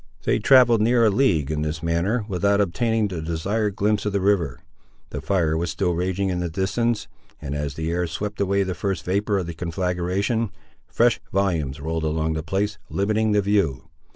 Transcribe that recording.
They travelled near a league in this manner, without obtaining the desired glimpse of the river. The fire was still raging in the distance, and as the air swept away the first vapour of the conflagration, fresh volumes rolled along the place, limiting the view.